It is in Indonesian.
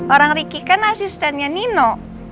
orang ricky kan asistennya nino